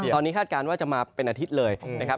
ตอนนี้คาดการณ์ว่าจะมาเป็นอาทิตย์เลยนะครับ